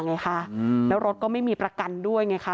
แล้วรถก็ไม่มีประกันด้วย